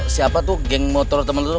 siapa tuh geng motor temen lu